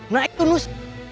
naik tuh nus